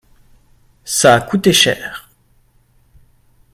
ça a coûté cher.